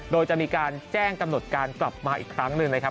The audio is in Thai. โดยจะมีการแจ้งกำหนดการกลับมาอีกครั้งหนึ่งนะครับ